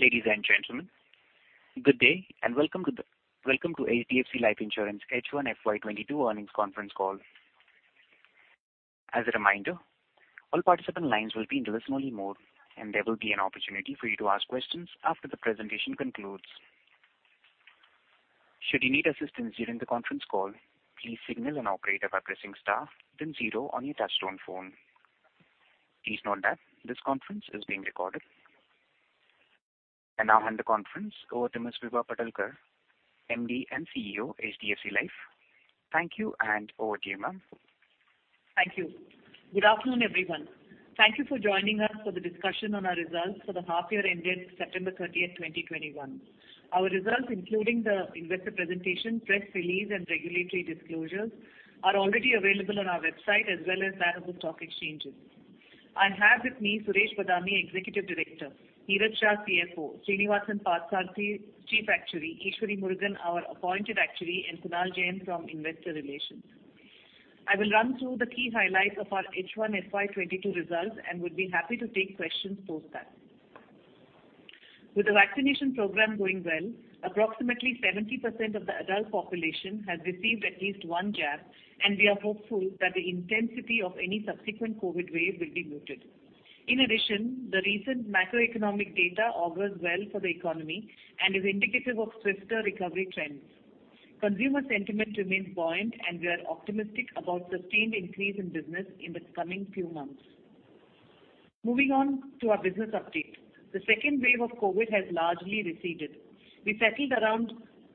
Ladies and gentlemen, good day, and welcome to HDFC Life Insurance H1 FY 2022 earnings conference call. As a reminder, all participant lines will be in listen only mode, and there will be an opportunity for you to ask questions after the presentation concludes. Should you need assistance during the conference call, please signal an operator by pressing star then 0 on your touch-tone phone. Please note that this conference is being recorded. I now hand the conference over to Ms. Vibha Padalkar, MD and CEO, HDFC Life. Thank you. Over to you, ma'am. Thank you. Good afternoon, everyone. Thank you for joining us for the discussion on our results for the half year ending September 30th, 2021. Our results, including the investor presentation, press release, and regulatory disclosures, are already available on our website as well as that of the stock exchanges. I have with me Suresh Badami, Executive Director; Niraj Shah, CFO; Srinivasan Parthasarathy, Chief Actuary; Eshwari Murugan, our Appointed Actuary, and Kunal Jain from Investor Relations. I will run through the key highlights of our H1 FY 2022 results and would be happy to take questions post that. With the vaccination program going well, approximately 70% of the adult population has received at least one jab, and we are hopeful that the intensity of any subsequent COVID wave will be muted. In addition, the recent macroeconomic data augurs well for the economy and is indicative of swifter recovery trends. Consumer sentiment remains buoyant. We are optimistic about sustained increase in business in the coming few months. Moving on to our business update. The second wave of COVID has largely receded. We settled around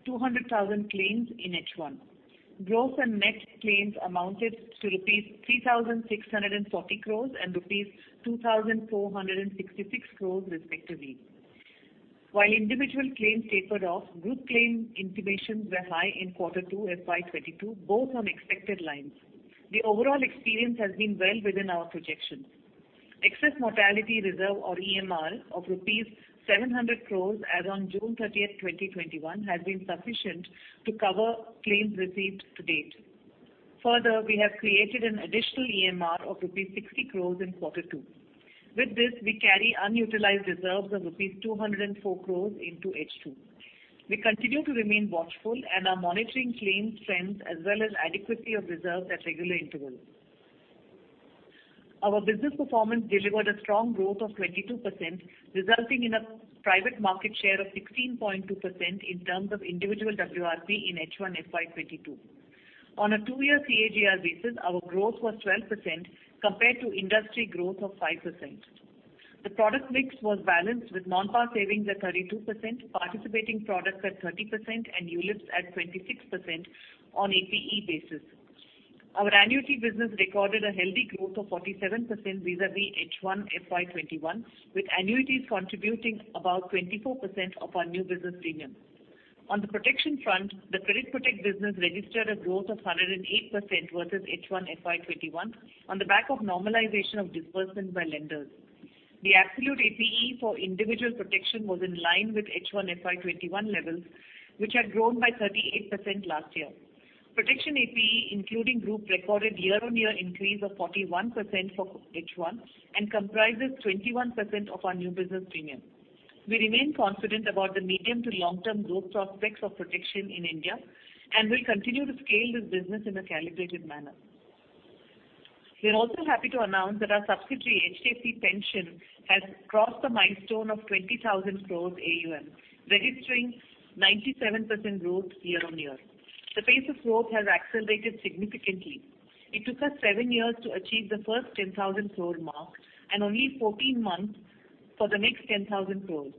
200,000 claims in H1. Gross and net claims amounted to rupees 3,640 crore and rupees 2,466 crore respectively. While individual claims tapered off, group claim intimations were high in quarter two, FY 2022, both on expected lines. The overall experience has been well within our projections. Excess mortality reserve, or EMR, of rupees 700 crore as on June 30th, 2021, has been sufficient to cover claims received to date. We have created an additional EMR of rupees 60 crore in quarter two. With this, we carry unutilized reserves of rupees 204 crore into H2. We continue to remain watchful and are monitoring claims trends as well as adequacy of reserves at regular intervals. Our business performance delivered a strong growth of 22%, resulting in a private market share of 16.2% in terms of individual WRP in H1 FY 2022. On a two-year CAGR basis, our growth was 12% compared to industry growth of 5%. The product mix was balanced with non-par savings at 32%, participating products at 30%, and ULIPs at 26% on APE basis. Our annuity business recorded a healthy growth of 47% vis-à-vis H1 FY 2021, with annuities contributing about 24% of our new business premium. On the protection front, the Credit Protect business registered a growth of 108% versus H1 FY 2021 on the back of normalization of disbursements by lenders. The absolute APE for individual protection was in line with H1 FY 2021 levels, which had grown by 38% last year. Protection APE, including group, recorded year-on-year increase of 41% for H1 and comprises 21% of our new business premium. We remain confident about the medium to long-term growth prospects of protection in India and will continue to scale this business in a calibrated manner. We are also happy to announce that our subsidiary, HDFC Pension, has crossed the milestone of 20,000 crore AUM, registering 97% growth year-on-year. The pace of growth has accelerated significantly. It took us seven years to achieve the first 10,000 crore mark and only 14 months for the next 10,000 crore.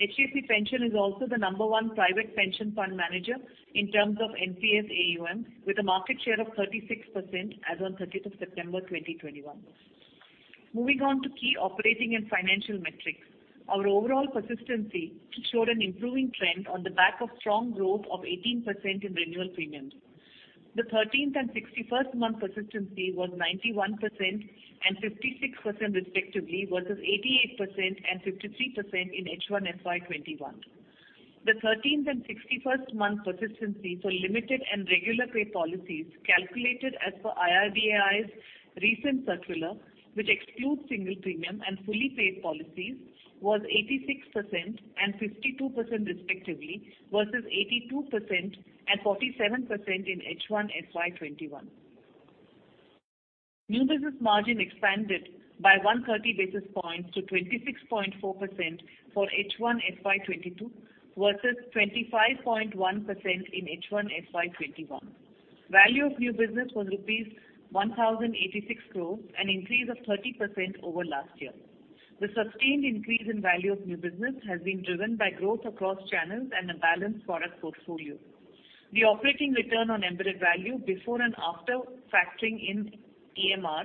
HDFC Pension is also the number 1 private pension fund manager in terms of NPS AUM, with a market share of 36% as on 30th of September 2021. Moving on to key operating and financial metrics. Our overall persistency showed an improving trend on the back of strong growth of 18% in renewal premiums. The 13th and 61st month persistency was 91% and 56% respectively versus 88% and 53% in H1 FY 2021. The 13th and 61st month persistency for limited and regular pay policies, calculated as per IRDAI's recent circular, which excludes single premium and fully paid policies, was 86% and 52%, respectively, versus 82% and 47% in H1 FY 2021. New business margin expanded by 130 basis points to 26.4% for H1 FY 2022 versus 25.1% in H1 FY 2021. Value of new business was rupees 1,086 crores, an increase of 30% over last year. The sustained increase in value of new business has been driven by growth across channels and a balanced product portfolio. The operating return on embedded value before and after factoring in EMR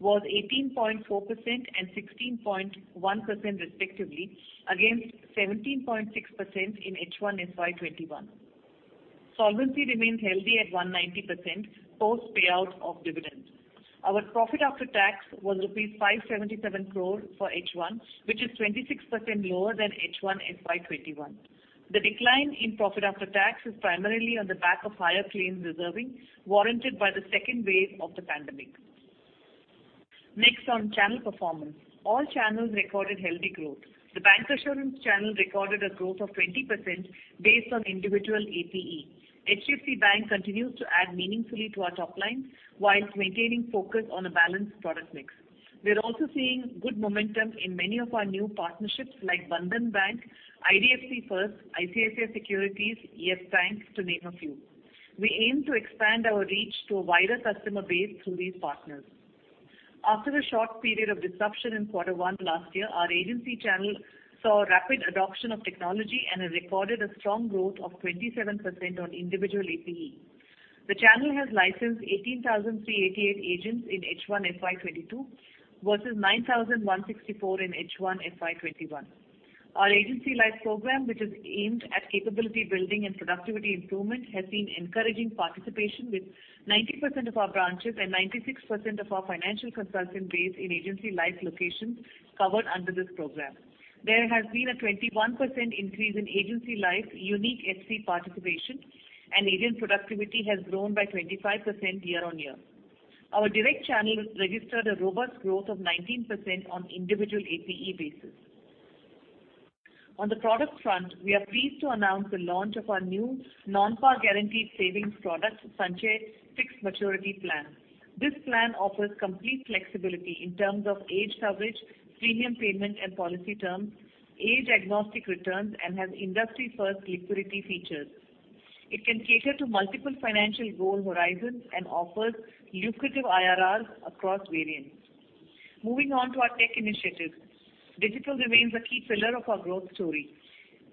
was 18.4% and 16.1%, respectively, against 17.6% in H1 FY 2021. Solvency remains healthy at 190% post-payout of dividend. Our profit after tax was rupees 577 crores for H1, which is 26% lower than H1 FY 2021. The decline in profit after tax is primarily on the back of higher claims reserving warranted by the second wave of the pandemic. Next on channel performance. All channels recorded healthy growth. The bancassurance channel recorded a growth of 20% based on individual APE. HDFC Bank continues to add meaningfully to our top line whilst maintaining focus on a balanced product mix. We're also seeing good momentum in many of our new partnerships like Bandhan Bank, IDFC FIRST, ICICI Securities, Yes Bank, to name a few. We aim to expand our reach to a wider customer base through these partners. After a short period of disruption in quarter 1 last year, our agency channel saw rapid adoption of technology and has recorded a strong growth of 27% on individual APE. The channel has licensed 18,388 agents in H1 FY 2022 versus 9,164 in H1 FY 2021. Our Agency Life program, which is aimed at capability building and productivity improvement, has seen encouraging participation with 90% of our branches and 96% of our financial consultant base in Agency Life locations covered under this program. There has been a 21% increase in Agency Life unique FC participation, and agent productivity has grown by 25% year-on-year. Our direct channel has registered a robust growth of 19% on individual APE basis. On the product front, we are pleased to announce the launch of our new non-par guaranteed savings product, Sanchay Fixed Maturity Plan. This plan offers complete flexibility in terms of age coverage, premium payment and policy terms, age agnostic returns, and has industry-first liquidity features. It can cater to multiple financial goal horizons and offers lucrative IRRs across variants. Moving on to our tech initiatives. Digital remains a key pillar of our growth story.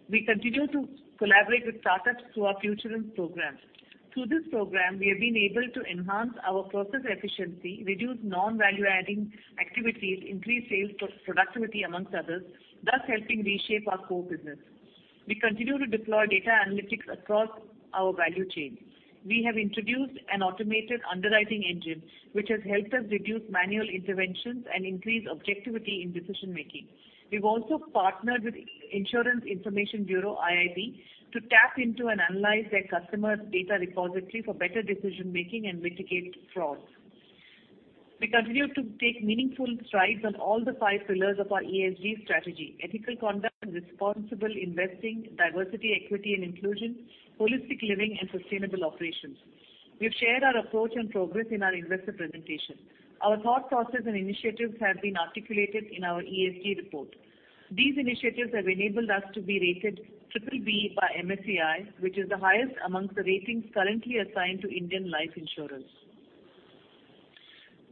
We continue to collaborate with startups through our Futurance program. Through this program, we have been able to enhance our process efficiency, reduce non-value adding activities, increase sales productivity amongst others, thus helping reshape our core business. We continue to deploy data analytics across our value chain. We have introduced an automated underwriting engine, which has helped us reduce manual interventions and increase objectivity in decision-making. We've also partnered with Insurance Information Bureau of India, IIB, to tap into and analyze their customers' data repository for better decision-making and mitigate fraud. We continue to take meaningful strides on all the five pillars of our ESG strategy: ethical conduct, responsible investing, diversity, equity, and inclusion, holistic living, and sustainable operations. We've shared our approach and progress in our investor presentation. Our thought process and initiatives have been articulated in our ESG report. These initiatives have enabled us to be rated triple B by MSCI, which is the highest amongst the ratings currently assigned to Indian life insurance.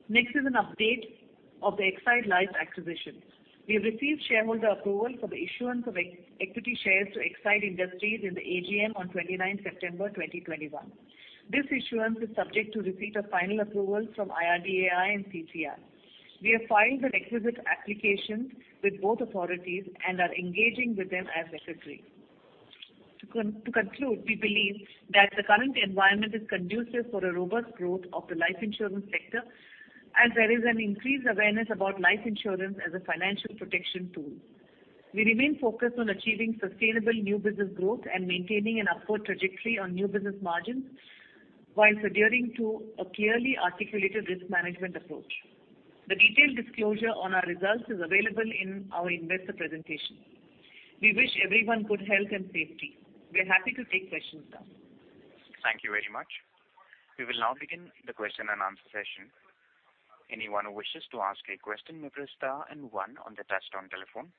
Next is an update of the Exide Life acquisition. We have received shareholder approval for the issuance of equity shares to Exide Industries in the AGM on 29th September 2021. This issuance is subject to receipt of final approval from IRDAI and CCI. We have filed an requisite application with both authorities and are engaging with them as necessary. To conclude, we believe that the current environment is conducive for a robust growth of the life insurance sector as there is an increased awareness about life insurance as a financial protection tool. We remain focused on achieving sustainable new business growth and maintaining an upward trajectory on new business margins while adhering to a clearly articulated risk management approach. The detailed disclosure on our results is available in our investor presentation. We wish everyone good health and safety. We are happy to take questions now. Thank you very much. We will now begin the question and answer session. Anyone who wishes to ask a question may press star and 1 on the touchtone telephone.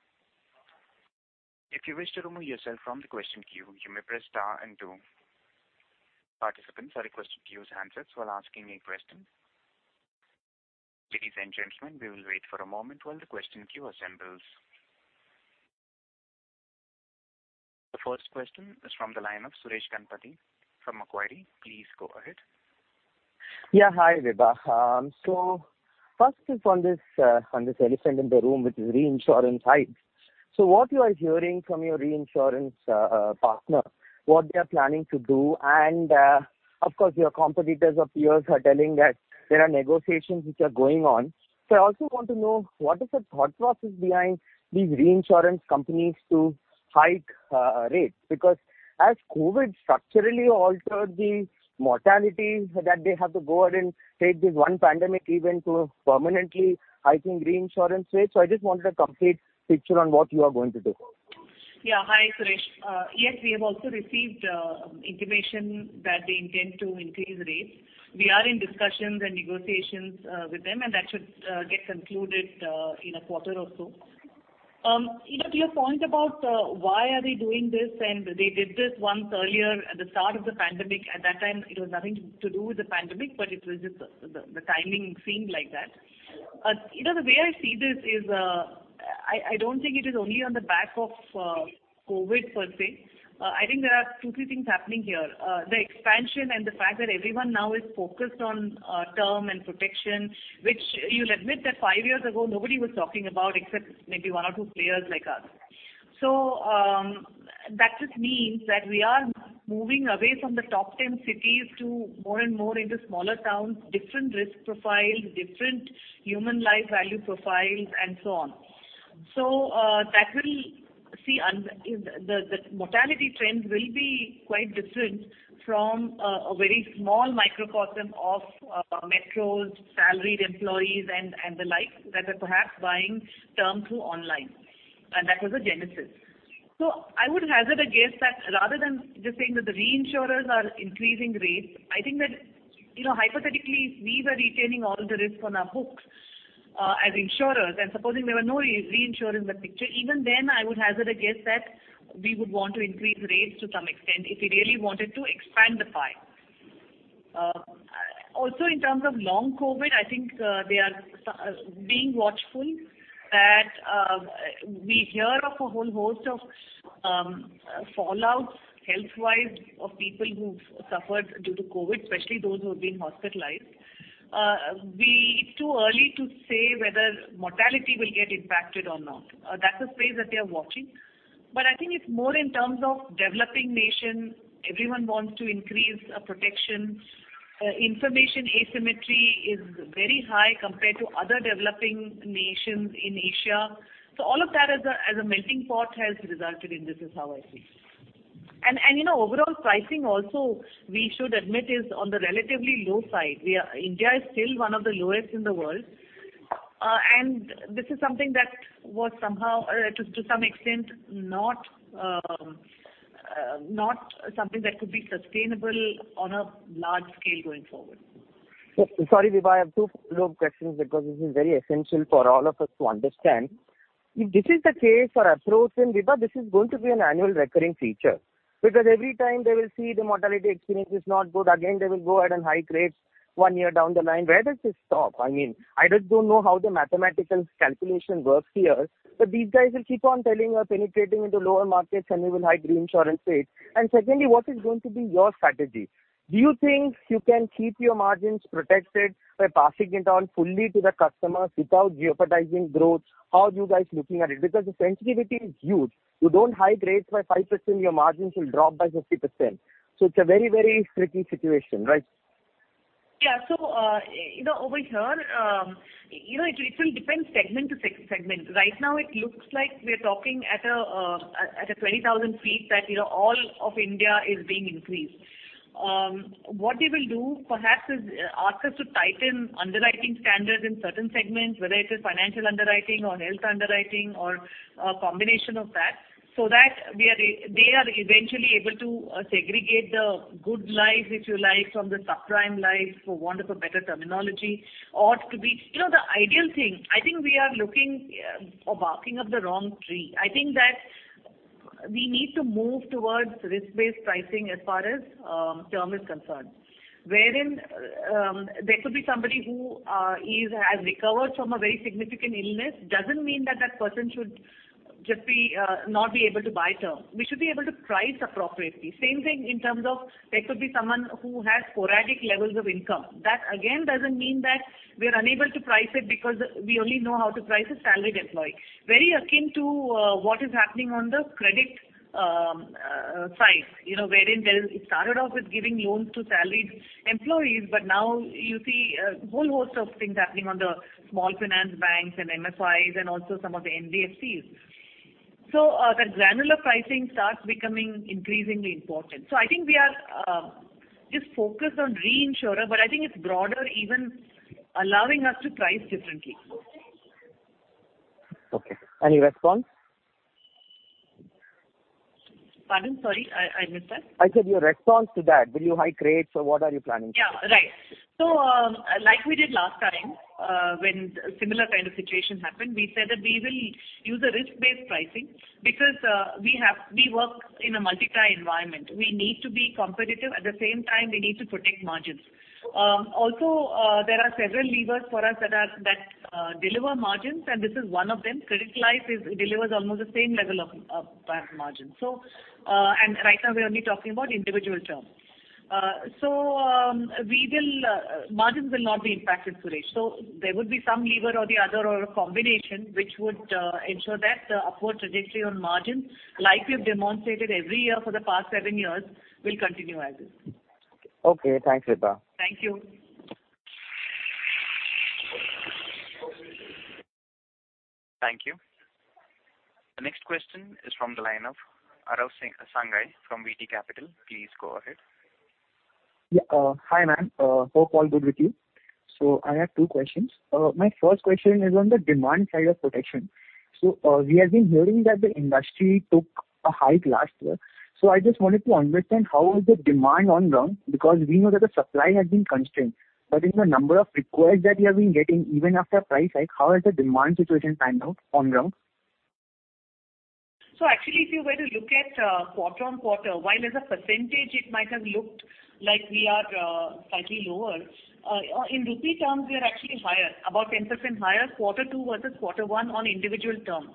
If you wish to remove yourself from the question queue, you may press star and 2. Participants are requested to use handsets while asking a question. Ladies and gentlemen, we will wait for a moment while the question queue assembles. The first question is from the line of Suresh Ganapathy from Macquarie. Please go ahead. Yeah. Hi, Vibha. Firstly on this elephant in the room, which is reinsurance hike. What you are hearing from your reinsurance partner, what they are planning to do, and, of course, your competitors or peers are telling that there are negotiations which are going on. I also want to know what is the thought process behind these reinsurance companies to hike rates. Because as COVID structurally altered the mortality that they have to go ahead and take this one pandemic event to permanently hiking reinsurance rates. I just wanted a complete picture on what you are going to do. Yeah. Hi, Suresh. Yes, we have also received intimation that they intend to increase rates. We are in discussions and negotiations with them, and that should get concluded in a quarter or so. To your point about why are they doing this and they did this once earlier at the start of the pandemic. At that time, it was nothing to do with the pandemic, but it was just the timing seemed like that. The way I see this is, I don't think it is only on the back of COVID per se. I think there are two, three things happening here. The expansion and the fact that everyone now is focused on term and protection, which you'll admit that five years ago nobody was talking about except maybe one or two players like us. That just means that we are moving away from the top 10 cities to more and more into smaller towns, different risk profiles, different human life value profiles, and so on. That will see the mortality trend will be quite different from a very small microcosm of metros, salaried employees, and the like that are perhaps buying term through online, and that was the genesis. I would hazard a guess that rather than just saying that the reinsurers are increasing rates, I think that hypothetically, if we were retaining all the risk on our books as insurers, and supposing there were no reinsurer in the picture, even then, I would hazard a guess that we would want to increase rates to some extent if we really wanted to expand the pie. In terms of long COVID, I think they are being watchful that we hear of a whole host of fallouts health-wise of people who've suffered due to COVID, especially those who have been hospitalized. It's too early to say whether mortality will get impacted or not. That's a space that they are watching. I think it's more in terms of developing nation, everyone wants to increase protection. Information asymmetry is very high compared to other developing nations in Asia. All of that as a melting pot has resulted in this is how I see. Overall pricing also, we should admit, is on the relatively low side. India is still one of the lowest in the world. This is something that was somehow, to some extent, not something that could be sustainable on a large scale going forward. Sorry, Vibha, I have 2 follow-up questions because this is very essential for all of us to understand. If this is the case for upstream, Vibha, this is going to be an annual recurring feature. Every time they will see the mortality experience is not good, again, they will go ahead and hike rates 1 year down the line. Where does this stop? I just don't know how the mathematical calculation works here. These guys will keep on telling us, penetrating into lower markets, and they will hike reinsurance rates. Secondly, what is going to be your strategy? Do you think you can keep your margins protected by passing it on fully to the customers without jeopardizing growth? How are you guys looking at it? The sensitivity is huge. You don't hike rates by 5%, your margins will drop by 50%. It's a very tricky situation, right? Yeah. Over here it will depend segment to segment. Right now it looks like we're talking at a 20,000 feet that all of India is being increased. What they will do perhaps is ask us to tighten underwriting standards in certain segments, whether it is financial underwriting or health underwriting or a combination of that, so that they are eventually able to segregate the good lives, if you like, from the subprime lives, for want of a better terminology. The ideal thing, I think we are barking up the wrong tree. I think that we need to move towards risk-based pricing as far as term is concerned. Wherein there could be somebody who has recovered from a very significant illness, doesn't mean that person should just not be able to buy term. We should be able to price appropriately. Same thing in terms of there could be someone who has sporadic levels of income. That again doesn't mean that we're unable to price it because we only know how to price a salaried employee. Very akin to what is happening on the credit side. It started off with giving loans to salaried employees, but now you see a whole host of things happening on the small finance banks and MFIs and also some of the NBFCs. The granular pricing starts becoming increasingly important. I think we are just focused on reinsurer, but I think it's broader, even allowing us to price differently. Okay. Any response? Pardon? Sorry, I missed that. I said your response to that. Will you hike rates or what are you planning to do? Yeah. Right. Like we did last time when a similar kind of situation happened, we said that we will use a risk-based pricing because we work in a multi-tier environment. We need to be competitive. At the same time, we need to protect margins. Also, there are several levers for us that deliver margins, and this is one of them. Credit Protect delivers almost the same level of margin. And right now we are only talking about individual term. Margins will not be impacted, Suresh. There would be some lever or the other or a combination which would ensure that the upward trajectory on margins, like we've demonstrated every year for the past seven years, will continue as is. Okay. Thanks, Vibha. Thank you. Thank you. The next question is from the line of Aarav Sangai from VT Capital. Please go ahead. Hi, ma'am. Hope all good with you. I have two questions. My first question is on the demand side of protection. We have been hearing that the industry took a hike last year. I just wanted to understand how is the demand on ground, because we know that the supply has been constrained. In the number of requests that you have been getting, even after a price hike, how has the demand situation panned out on ground? Actually, if you were to look at quarter-on-quarter, while as a percentage it might have looked like we are slightly lower, in rupee terms we are actually higher, about 10% higher quarter 2 versus quarter 1 on individual term.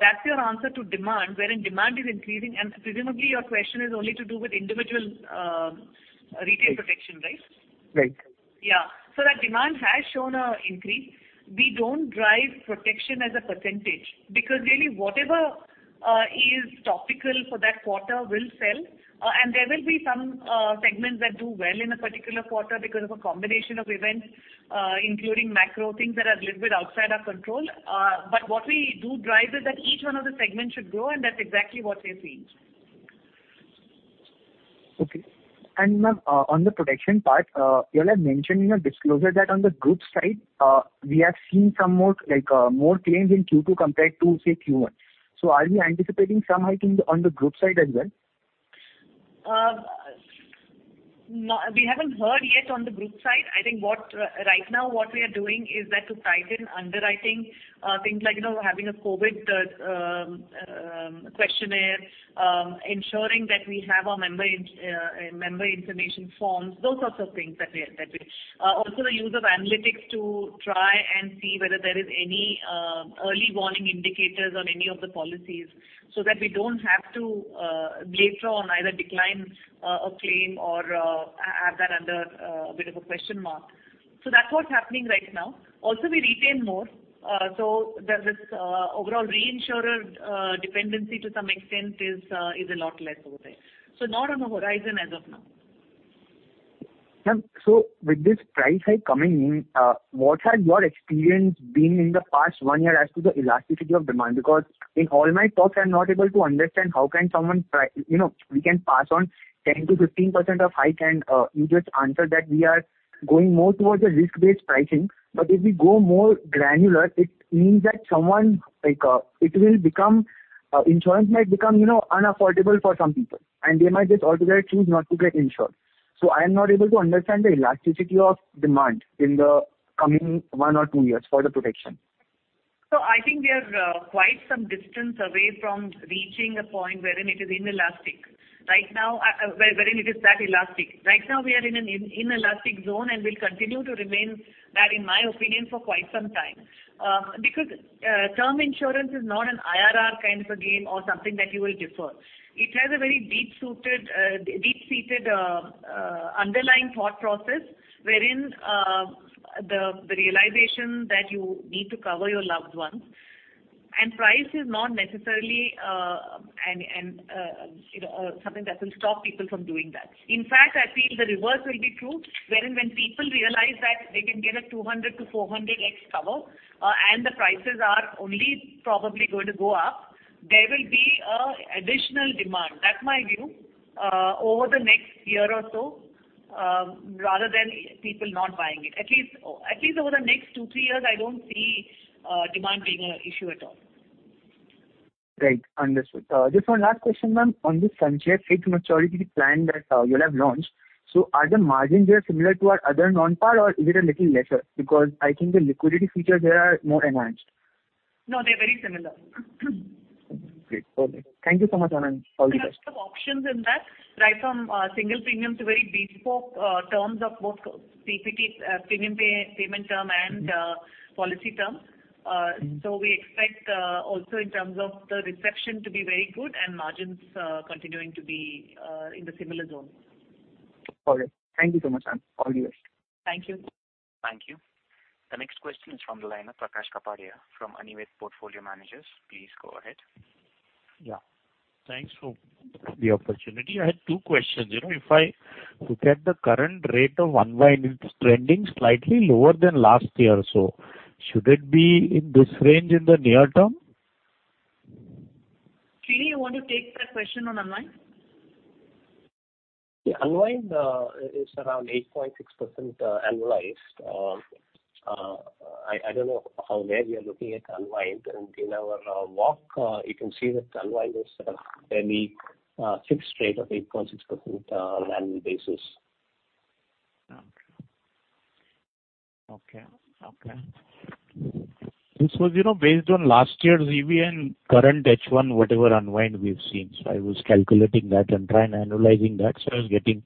That's your answer to demand, wherein demand is increasing, and presumably your question is only to do with individual retail protection, right? Right. Yeah. That demand has shown an increase. We don't drive protection as a percentage because really whatever is topical for that quarter will sell. There will be some segments that do well in a particular quarter because of a combination of events, including macro things that are a little bit outside our control. What we do drive is that each one of the segments should grow, and that's exactly what we are seeing. Okay. Ma'am, on the protection part, you all have mentioned in your disclosure that on the group side, we have seen more claims in Q2 compared to, say, Q1. Are we anticipating some hiking on the group side as well? We haven't heard yet on the group side. I think right now what we are doing is that to tighten underwriting things like having a COVID questionnaire, ensuring that we have our member information forms, those sorts of things. The use of analytics to try and see whether there is any early warning indicators on any of the policies so that we don't have to later on either decline a claim or have that under a bit of a question mark. That's what's happening right now. We retain more, so there's this overall reinsurer dependency to some extent is a lot less over there. Not on the horizon as of now. Ma'am, with this price hike coming in, what has your experience been in the past one year as to the elasticity of demand? In all my talks, I'm not able to understand how we can pass on 10%-15% of hike, you just answered that we are going more towards a risk-based pricing. If we go more granular, it means that insurance might become unaffordable for some people, they might just altogether choose not to get insured. I am not able to understand the elasticity of demand in the coming one or two years for the protection. I think we are quite some distance away from reaching a point wherein it is inelastic. Wherein it is that elastic. Right now we are in an inelastic zone and will continue to remain that, in my opinion, for quite some time. Term insurance is not an IRR kind of a game or something that you will defer. It has a very deep-seated underlying thought process wherein the realization that you need to cover your loved ones, and price is not necessarily something that will stop people from doing that. In fact, I feel the reverse will be true, wherein when people realize that they can get a 200 to 400x cover and the prices are only probably going to go up, there will be additional demand. That's my view over the next year or so, rather than people not buying it. At least over the next 2, 3 years, I don't see demand being an issue at all. Right. Understood. Just one last question, ma'am. On this Sanchay Fixed Maturity Plan that you'll have launched, are the margins there similar to our other non-par, or is it a little lesser? I think the liquidity features there are more enhanced. No, they're very similar. Great. Okay. Thank you so much, ma'am. All the best. We have some options in that, right from single premium to very bespoke terms of both PPT premium payment term and policy term. We expect also in terms of the reception to be very good and margins continuing to be in the similar zone. Okay. Thank you so much, ma'am. All the best. Thank you. Thank you. The next question is from the line of Prakash Kapadia from Anived Portfolio Managers. Please go ahead. Yeah. Thanks for the opportunity. I had 2 questions. If I look at the current rate of unwind, it's trending slightly lower than last year or so. Should it be in this range in the near term? Srini, you want to take that question on unwind? Yeah. Unwind is around 8.6% annualized. I don't know where you're looking at unwind. In our walk, you can see that unwind is a fairly fixed rate of 8.6% on annual basis. Okay. This was based on last year's EV and current H1, whatever unwind we've seen. I was calculating that and trying annualizing that, so I was getting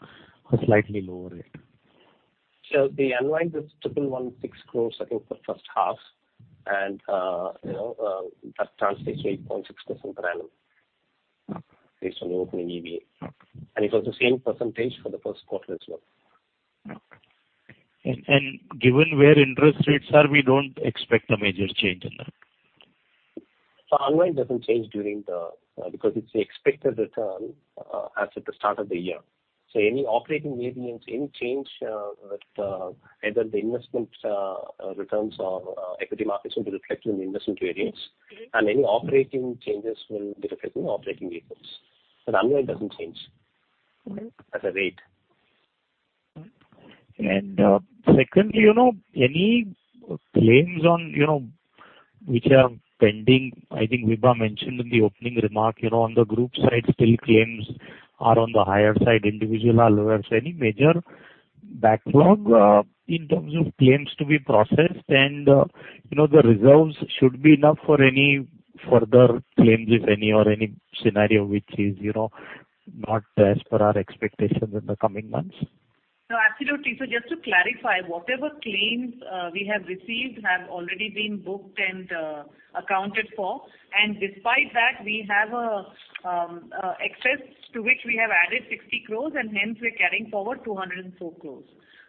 a slightly lower rate. The unwind is ₹316 crores, I think, for first half, and that translates 8.6% per annum based on the opening EV. It was the same percentage for the first quarter as well. Okay. Given where interest rates are, we don't expect a major change in that. Unwind doesn't change because it's the expected return as at the start of the year. Any operating variance, any change with either the investment returns or equity markets will be reflected in the investment variance, and any operating changes will be reflected in operating variance. Unwind doesn't change as a rate. Secondly, any claims which are pending, I think Vibha mentioned in the opening remark, on the group side still claims are on the higher side individual. Any major backlog in terms of claims to be processed and the reserves should be enough for any further claims, if any, or any scenario which is not as per our expectations in the coming months. Just to clarify, whatever claims we have received have already been booked and accounted for. Despite that, we have excess to which we have added 60 crores and hence we're carrying forward 204 crores.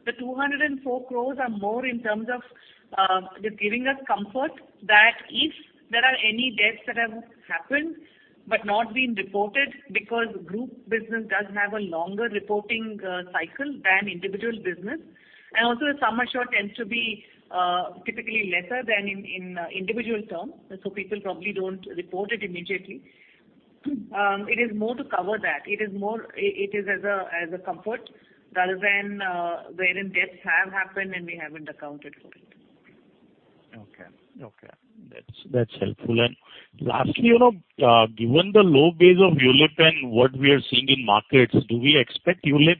The 204 crores are more in terms of just giving us comfort that if there are any deaths that have happened but not been reported because group business does have a longer reporting cycle than individual business. Also the sum assured tends to be typically lesser than in individual term, so people probably don't report it immediately. It is more to cover that. It is as a comfort rather than wherein deaths have happened and we haven't accounted for it. Okay. That's helpful. Lastly, given the low base of ULIP and what we are seeing in markets, do we expect ULIP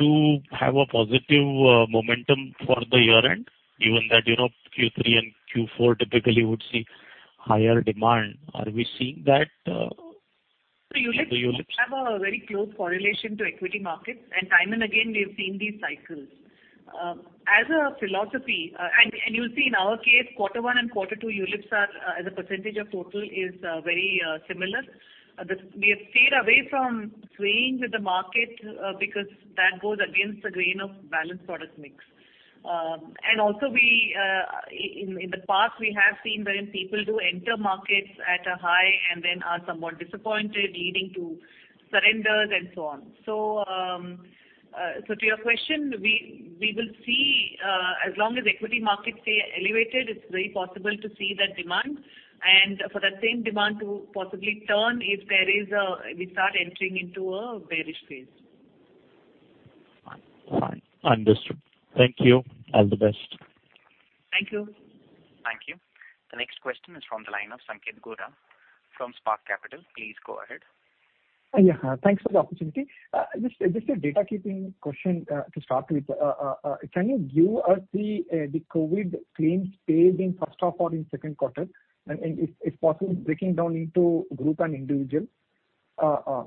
to have a positive momentum for the year-end given that Q3 and Q4 typically would see higher demand? Are we seeing that. ULIP have a very close correlation to equity markets and time and again, we have seen these cycles. As a philosophy, you'll see in our case, quarter one and quarter two ULIPs as a percentage of total is very similar. We have stayed away from swaying with the market because that goes against the grain of balanced product mix. Also in the past, we have seen wherein people do enter markets at a high and then are somewhat disappointed leading to surrenders and so on. To your question, we will see as long as equity markets stay elevated, it's very possible to see that demand and for that same demand to possibly turn if we start entering into a bearish phase. Fine. Understood. Thank you. All the best. Thank you. Thank you. The next question is from the line of Sanketh Godha from Spark Capital. Please go ahead. Yeah, thanks for the opportunity. Just a data keeping question to start with. Can you give us the COVID claims paid in first half or in second quarter and if possible breaking down into group and individual?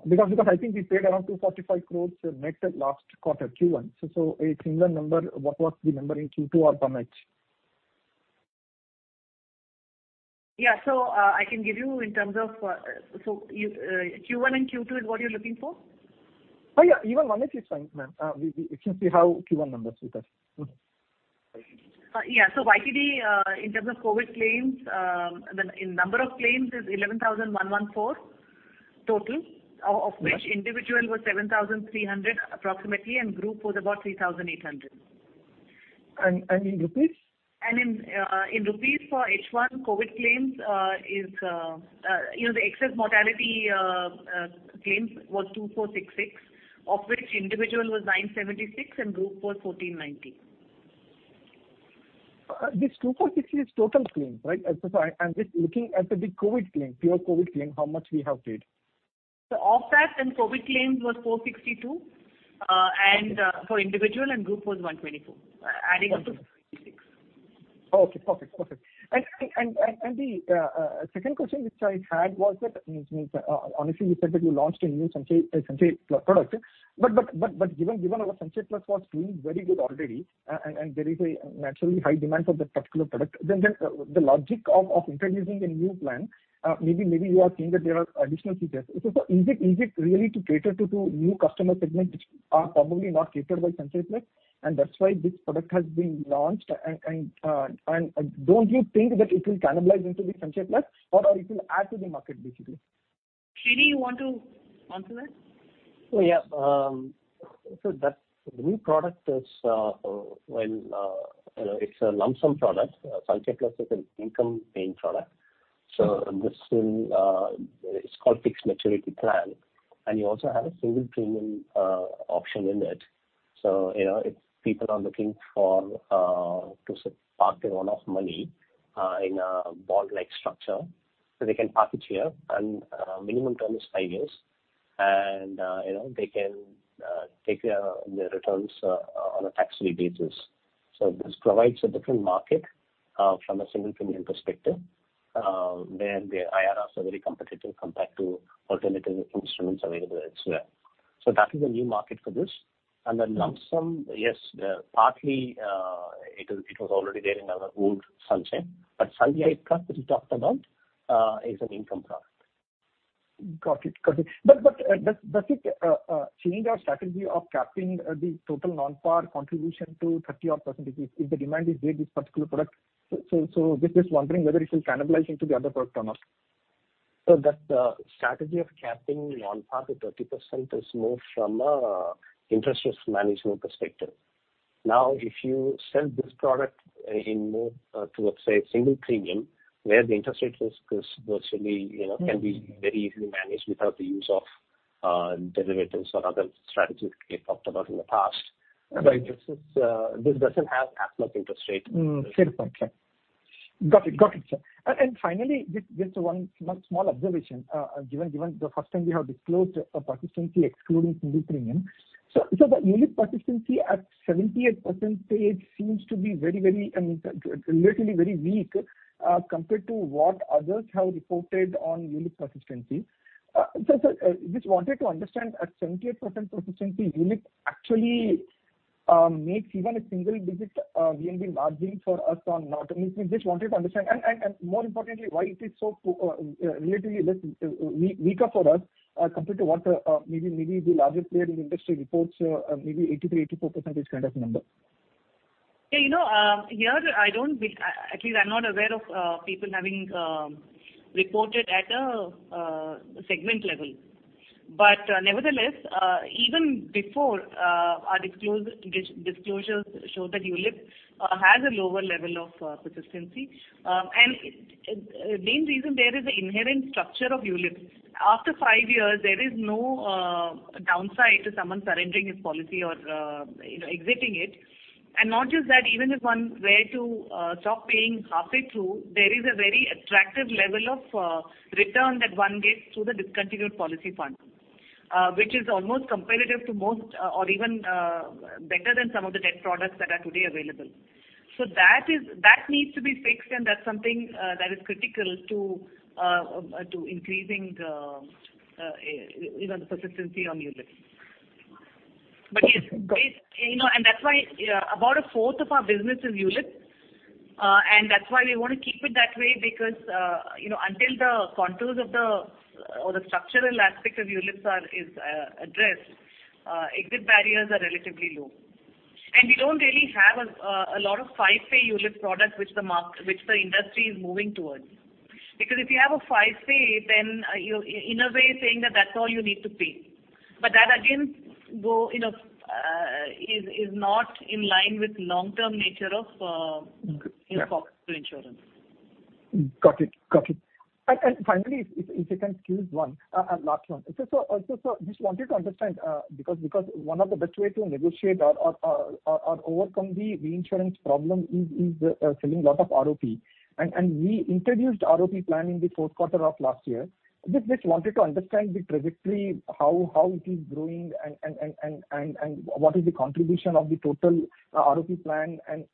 Because I think we paid around 245 crores net at last quarter Q1, so a single number, what was the number in Q2 or how much? Yeah. I can give you. Q1 and Q2 is what you're looking for? Yeah. Even one is fine, ma'am. We can see how Q1 numbers with us. Yeah. YTD, in terms of COVID claims, the number of claims is 11,114 total, of which individual was 7,300 approximately, and group was about 3,800. In rupees? In rupees for H1 COVID claims. The excess mortality claims was 2,466, of which individual was 976 and group was 1,490. This 2,466 is total claim, right? I'm just looking at the COVID claim, pure COVID claim, how much we have paid. Offset and COVID claims was 462 and for individual and group was 124, adding up to 2,466. Okay, perfect. The second question which I had was that, honestly, you said that you launched a new Sanchay Plus product. Given our Sanchay Plus was doing very good already and there is a naturally high demand for that particular product, the logic of introducing a new plan, maybe you are seeing that there are additional features. Is it really to cater to new customer segments which are probably not catered by Sanchay Plus, and that's why this product has been launched and don't you think that it will cannibalize into the Sanchay Plus or it will add to the market basically? Srinivasan Parthasarathy, you want to answer that? Yeah. That new product, it's a lump sum product. Sanchay Plus is an income paying product, this is called fixed maturity plan. You also have a single premium option in it. If people are looking to park a one-off money in a bond-like structure, so they can park it here and minimum term is 5 years and they can take their returns on a tax-free basis. This provides a different market from a single premium perspective where the IRRs are very competitive compared to alternative instruments available elsewhere. That is a new market for this. The lump sum, yes partly it was already there in our old Sanchay, but Sanchay Plus that you talked about is an income product. Got it. Does it change our strategy of capping the total non-par contribution to 30 odd % if the demand is there this particular product? Just wondering whether it will cannibalize into the other product or not. That strategy of capping non-par to 30% is more from a interest risk management perspective. If you sell this product in more towards, say, single premium, where the interest rate risk virtually can be very easily managed without the use of derivatives or other strategies we have talked about in the past. Right. This doesn't have [asset] interest rate. Fair point, sir. Got it, sir. Finally, just one small observation. Given the first time we have disclosed persistency excluding single premium, the ULIP persistency at 78% page seems to be relatively very weak compared to what others have reported on ULIP persistency. Just wanted to understand at 78% persistency, ULIP actually makes even a single-digit VNB margin for us or not? We just wanted to understand and more importantly, why it is so relatively less weaker for us compared to what maybe the largest player in the industry reports maybe 83%, 84% kind of number. Here, at least I'm not aware of people having reported at a segment level. Nevertheless, even before our disclosures show that ULIP has a lower level of persistency. Main reason there is an inherent structure of ULIP. After 5 years, there is no downside to someone surrendering his policy or exiting it. Not just that, even if one were to stop paying halfway through, there is a very attractive level of return that one gets through the discontinued policy fund which is almost competitive to most or even better than some of the debt products that are today available. That needs to be fixed, and that's something that is critical to increasing the persistency on ULIP. Yes. Got it. That's why about 1/4 of our business is ULIP. That's why we want to keep it that way because until the contours or the structural aspect of ULIP is addressed, exit barriers are relatively low. We don't really have a lot of 5-pay ULIP products which the industry is moving towards. If you have a 5-pay, then you're in a way saying that that's all you need to pay. That again is not in line with long-term nature of- Yeah corpus to insurance. Got it. Finally, if I can squeeze one last one. Just wanted to understand because one of the best way to negotiate or overcome the reinsurance problem is selling lot of ROP. We introduced ROP plan in the fourth quarter of last year. Just wanted to understand the trajectory, how it is growing and what is the contribution of the total ROP plan and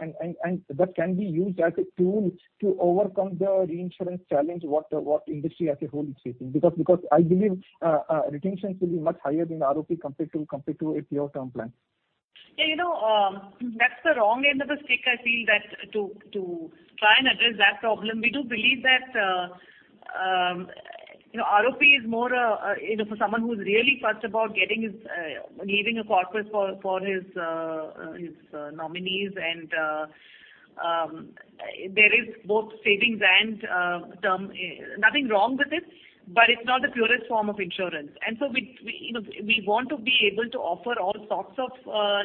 that can be used as a tool to overcome the reinsurance challenge, what industry as a whole is facing because I believe retention will be much higher in ROP compared to a pure term plan. That's the wrong end of the stick, I feel that to try and address that problem. We do believe that ROP is more for someone who's really fussed about leaving a corpus for his nominees and there is both savings and term. It's not the purest form of insurance. We want to be able to offer all sorts of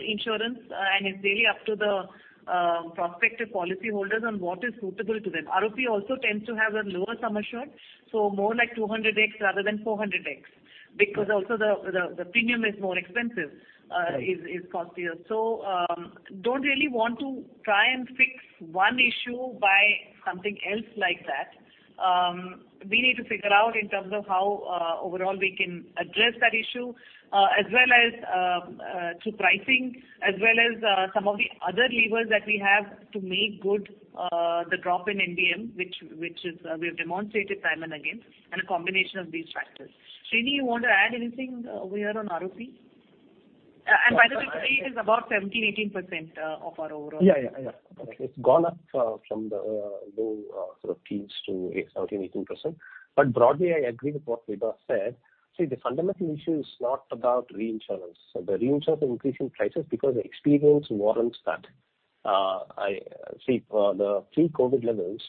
insurance, and it's really up to the prospective policyholders on what is suitable to them. ROP also tends to have a lower sum assured, more like 200x rather than 400x, because also the premium is more expensive, is costlier. Don't really want to try and fix one issue by something else like that. We need to figure out in terms of how overall we can address that issue as well as through pricing, as well as some of the other levers that we have to make good the drop in NBM which we have demonstrated time and again and a combination of these factors. Srini, you want to add anything here on ROP? By the way, today it is about 17%-18% of our overall. Yeah. Correct. It's gone up from the low sort of teens to 17, 18%. Broadly, I agree with what Vibha said. See, the fundamental issue is not about reinsurance. The reinsurance are increasing prices because the experience warrants that. See, for the pre-COVID levels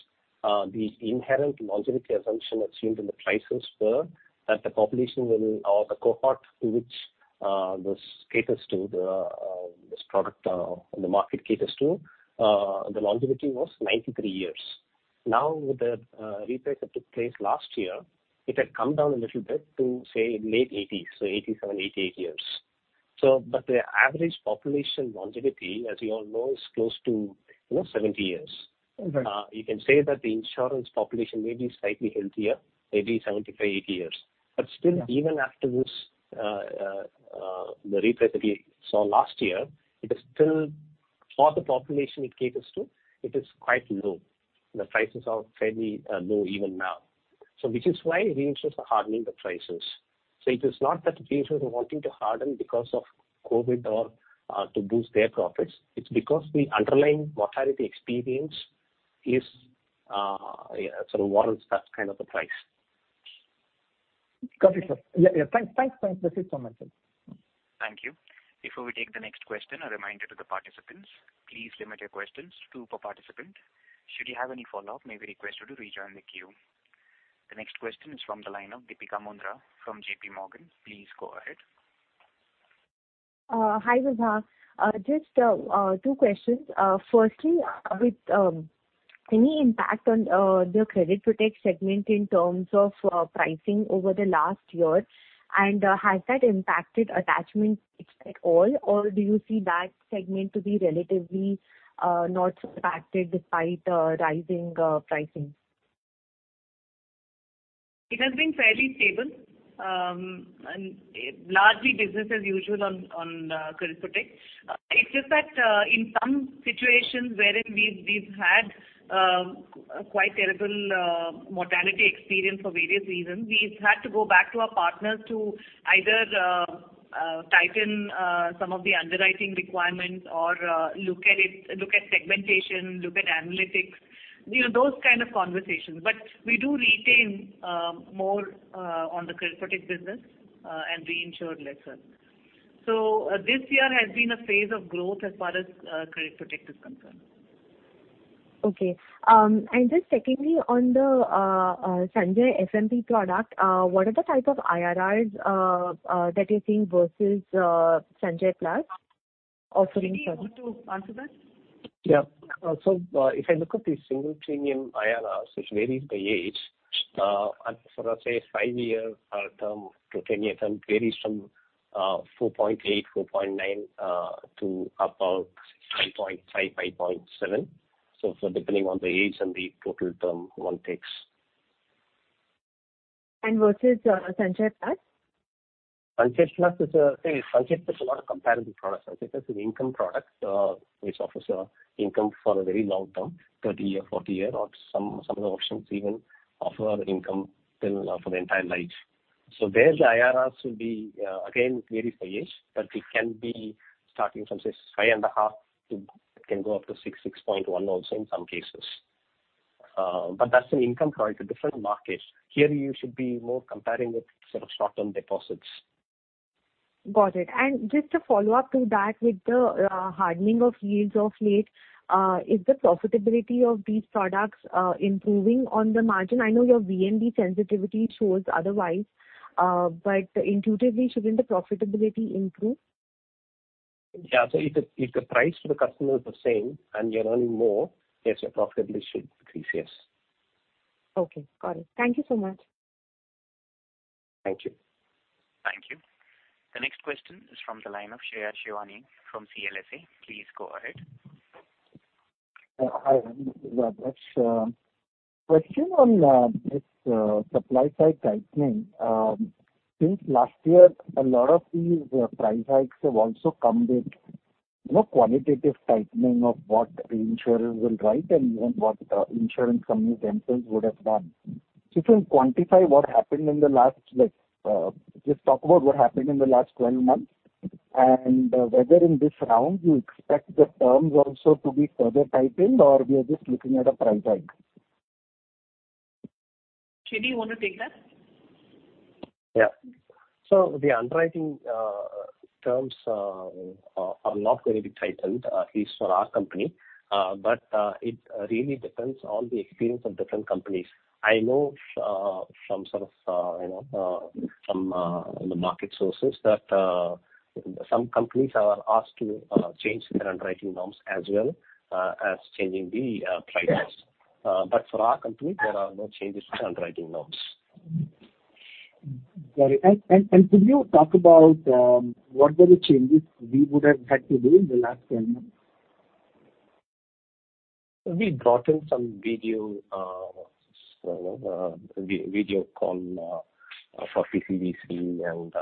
the inherent longevity assumption assumed in the prices were that the population or the cohort to which this caters to, this product and the market caters to, the longevity was 93 years. With the reprice that took place last year, it had come down a little bit to say late 80s, so 87, 88 years. The average population longevity, as you all know, is close to 70 years. Right. You can say that the insurance population may be slightly healthier, maybe 75, 80 years. Still, even after this the reprice that we saw last year, it is still for the population it caters to, it is quite low. The prices are fairly low even now. Which is why reinsurers are hardening the prices. It is not that reinsurers are wanting to harden because of COVID or to boost their profits. It's because the underlying mortality experience sort of warrants that kind of a price. Got it, sir. Yeah. Thanks. That's it from my side. Thank you. Before we take the next question, a reminder to the participants, please limit your questions, two per participant. Should you have any follow-up, may we request you to rejoin the queue. The next question is from the line of Deepika Mundra from JP Morgan. Please go ahead. Hi, Vibha. Just two questions. Firstly, with any impact on the Credit Protect segment in terms of pricing over the last year, and has that impacted attachments at all, or do you see that segment to be relatively not impacted despite rising pricing? It has been fairly stable and largely business as usual on Credit Protect. It is just that in some situations wherein we have had quite terrible mortality experience for various reasons, we have had to go back to our partners to either tighten some of the underwriting requirements or look at segmentation, look at analytics, those kind of conversations. But we do retain more on the Credit Protect business and reinsured lesser. This year has been a phase of growth as far as Credit Protect is concerned. Okay. Just secondly, on the Sanchay FMP product, what are the type of IRRs that you're seeing versus Sanchay Plus offering product? Srinivasan Parthasarathy, do you want to answer that? If I look at the single premium IRRs, which varies by age, and for, say, 5-year term to 10-year term varies from 4.8%, 4.9% to about 6.5%, 5.7%. Depending on the age and the total term one takes. Versus Sanchay Plus? Sanchay Plus is not a comparative product. Sanchay Plus is an income product, which offers income for a very long term, 30 year, 40 year, or some of the options even offer income for the entire life. There, the IRRs will be, again, varies by age, but it can be starting from, say, 5.5 to it can go up to 6.1 also in some cases. That's an income product, a different market. Here you should be more comparing with short-term deposits. Got it. Just a follow-up to that with the hardening of yields of late, is the profitability of these products improving on the margin? I know your VNB sensitivity shows otherwise, but intuitively, shouldn't the profitability improve? Yeah. If the price to the customer is the same and you're earning more, yes, your profitability should increase. Yes. Okay. Got it. Thank you so much. Thank you. Thank you. The next question is from the line of Shreya Shivani from CLSA. Please go ahead. Hi. This is Adarsh. Question on this supply side tightening. Since last year, a lot of these price hikes have also come with more quantitative tightening of what the insurers will write and what the insurance companies themselves would have done. Just talk about what happened in the last 12 months, and whether in this round you expect the terms also to be further tightened, or we are just looking at a price hike. Shri, do you want to take that? Yeah. The underwriting terms are not going to be tightened, at least for our company. It really depends on the experience of different companies. I know from the market sources that some companies are asked to change their underwriting norms as well as changing the price. For our company, there are no changes to underwriting norms. Got it. Could you talk about what were the changes we would have had to do in the last 10 months? We brought in some video call for PCVC and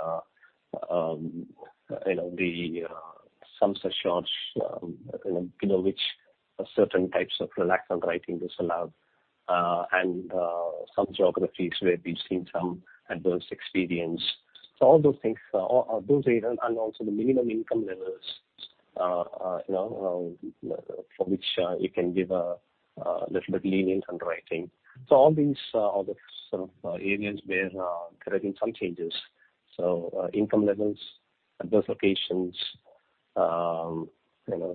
some surcharge which certain types of relaxed underwriting was allowed, and some geographies where we've seen some adverse experience. All those things and also the minimum income levels for which you can give a little bit lenient underwriting. All these are the sort of areas where correcting some changes. Income levels, adverse locations, there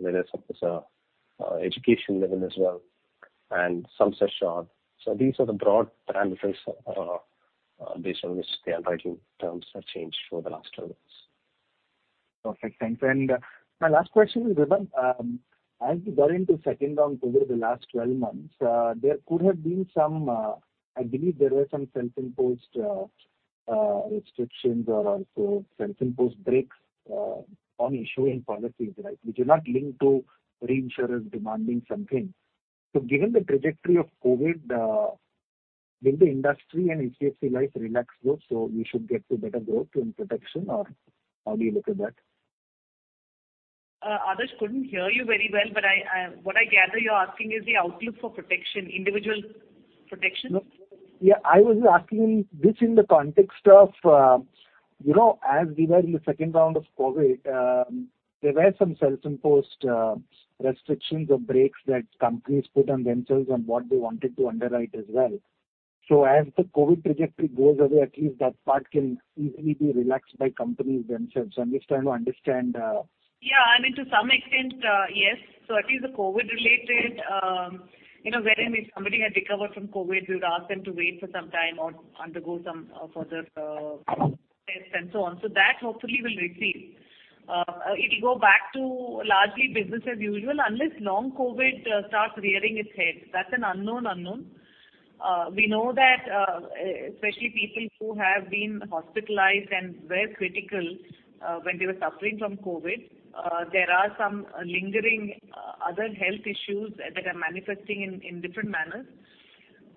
is education level as well and some surcharge. These are the broad parameters based on which the underwriting terms have changed for the last 12 months. Perfect. Thanks. My last question is, as we got into second round COVID the last 12 months, I believe there were some self-imposed restrictions or also self-imposed breaks on issuing policies, which are not linked to reinsurance demanding something. Given the trajectory of COVID, will the industry and HDFC Life relax those so we should get to better growth in protection, or how do you look at that? Adarsh, couldn't hear you very well, but what I gather you're asking is the outlook for protection, individual protection? Yeah, I was asking this in the context of as we were in the second round of COVID, there were some self-imposed restrictions or breaks that companies put on themselves on what they wanted to underwrite as well. As the COVID trajectory goes away, at least that part can easily be relaxed by companies themselves. I am just trying to understand. I mean, to some extent, yes. At least the COVID related, wherein if somebody had recovered from COVID, we would ask them to wait for some time or undergo some further tests and so on. That hopefully will recede. It'll go back to largely business as usual, unless long COVID starts rearing its head. That's an unknown unknown. We know that especially people who have been hospitalized and were critical when they were suffering from COVID, there are some lingering other health issues that are manifesting in different manners.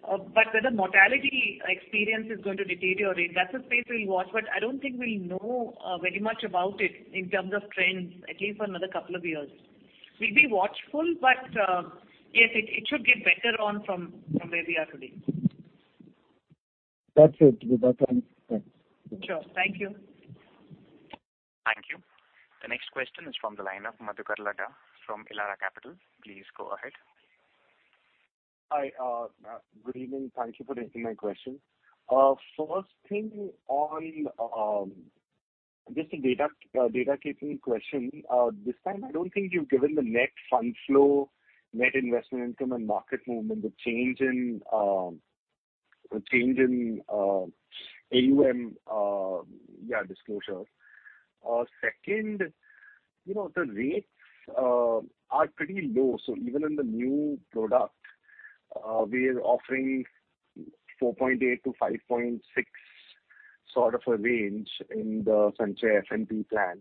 Whether mortality experience is going to deteriorate, that's a space we'll watch, but I don't think we'll know very much about it in terms of trends, at least for another couple of years. We'll be watchful, but yes, it should get better on from where we are today. That's it. Good luck. Thanks. Sure. Thank you. Thank you. The next question is from the line of Madhukar Ladha from Elara Capital. Please go ahead. Hi. Good evening. Thank you for taking my question. First thing, just a data keeping question. This time, I don't think you've given the net fund flow, net investment income and market movement, the change in AUM disclosure. The rates are pretty low. Even in the new product, we are offering 4.8% to 5.6% sort of a range in the Sanchay FMP plan.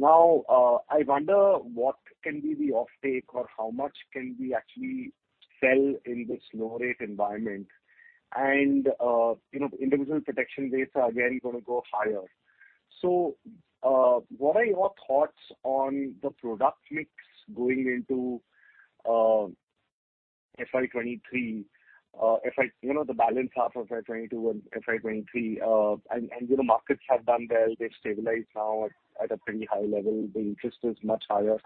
I wonder what can be the offtake or how much can we actually sell in this low rate environment. Individual protection rates are again going to go higher. What are your thoughts on the product mix going into FY 2023, the balance half of FY 2022 and FY 2023? Markets have done well. They've stabilized now at a pretty high level. The interest is much higher.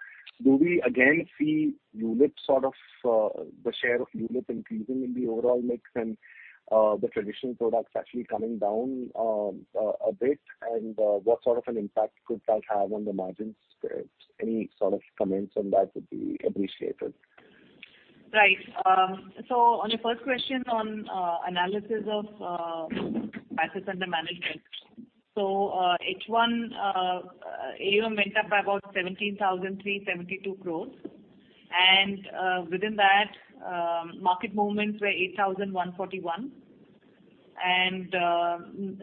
Do we again see the share of ULIP increasing in the overall mix and the traditional products actually coming down a bit? What sort of an impact could that have on the margins? Any sort of comments on that would be appreciated. Right. On your first question on analysis of assets under management. H1 AUM went up by about 17,372 crores and within that, market movements were 8,141 and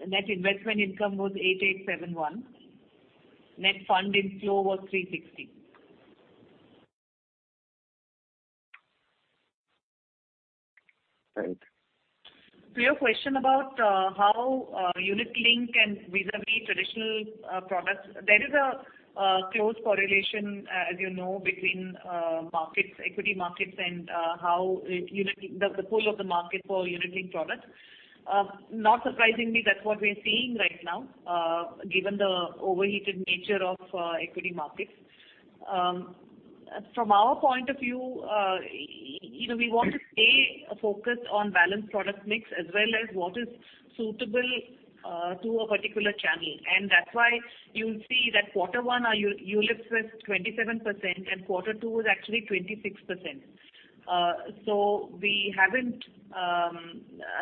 net investment income was 8,871. Net fund inflow was 360. Right. To your question about how unit-linked and vis-à-vis traditional products, there is a close correlation, as you know, between equity markets and the pull of the market for unit-linked products. Not surprisingly, that's what we're seeing right now given the overheated nature of equity markets. From our point of view, we want to stay focused on balanced product mix as well as what is suitable to a particular channel. That's why you'll see that quarter one, our ULIPs was 27% and quarter two was actually 26%. We haven't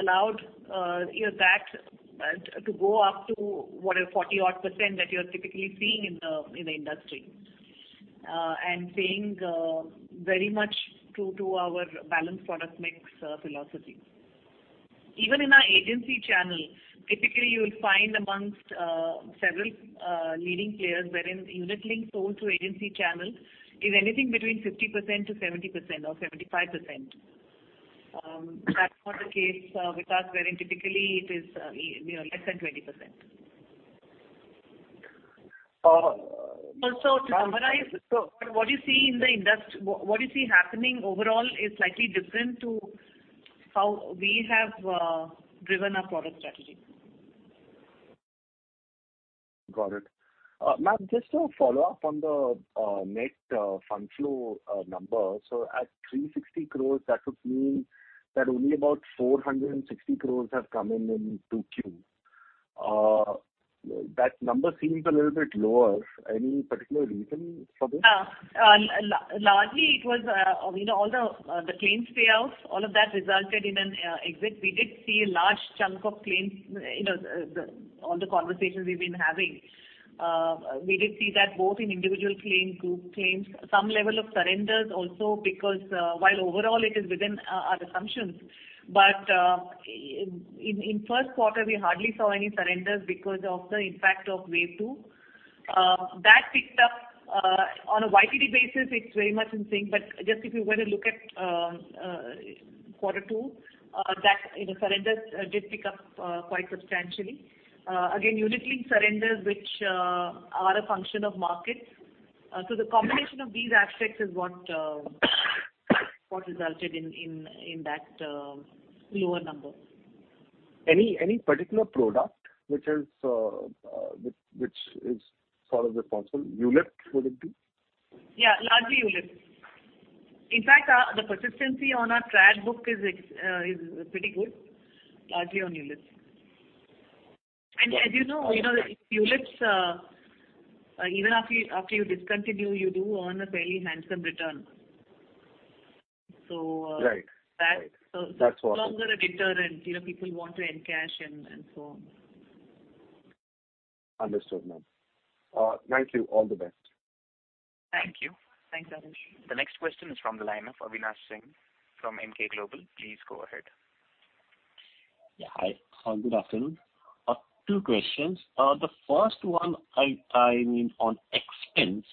allowed that to go up to what is 40-odd% that you're typically seeing in the industry, and staying very much true to our balanced product mix philosophy. Even in our agency channel, typically you'll find amongst several leading players wherein unit-linked sold through agency channel is anything between 50%-70% or 75%. That's not the case with us, wherein typically it is less than 20%. To summarize, what you see happening overall is slightly different to how we have driven our product strategy. Got it. Ma'am, just to follow up on the net fund flow number. At 360 crores, that would mean that only about 460 crores have come in in 2Q. That number seems a little bit lower. Any particular reason for this? Largely it was all the claims payoffs, all of that resulted in an exit. We did see a large chunk of claims, all the conversations we've been having. We did see that both in individual claim, group claims, some level of surrenders also because while overall it is within our assumptions. In first quarter, we hardly saw any surrenders because of the impact of wave 2. That picked up. On a YTD basis, it's very much in sync, just if you were to look at quarter 2, that surrender did pick up quite substantially. Again, unit-linked surrenders, which are a function of markets. The combination of these aspects is what resulted in that lower number. Any particular product which is sort of responsible? ULIP would it be? Yeah, largely ULIPs. In fact, the persistency on our trad book is pretty good, largely on ULIPs. As you know, ULIPs, even after you discontinue, you do earn a fairly handsome return. Right. It's no longer a deterrent. People want to encash and so on. Understood, ma'am. Thank you. All the best. Thank you. Thanks, Avinash. The next question is from the line of Avinash Singh from Emkay Global. Please go ahead. Yeah. Hi. Good afternoon. Two questions. The first one, on expense.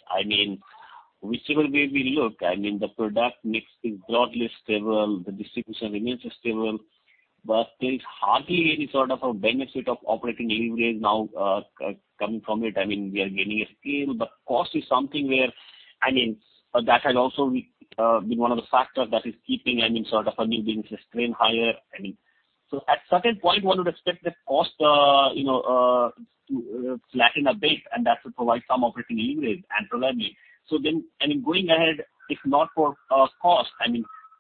Whichever way we look, the product mix is broadly stable, the distribution remains stable, but there's hardly any sort of a benefit of operating leverage now coming from it. We are gaining a scale, but cost is something where that has also been one of the factors that is keeping earnings sort of earnings being restrained higher. At certain point, one would expect that cost to flatten a bit, and that should provide some operating leverage and leverage. Going ahead, if not for cost,